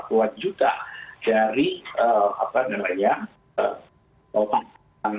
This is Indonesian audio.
karena kita sudah mendapatkan konfirmasi sekitar empat ratus patuan juga